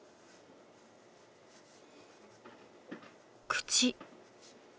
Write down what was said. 口。